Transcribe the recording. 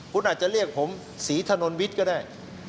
คุณอาจจะเรียกผมศรีถนนวิทย์ก็ได้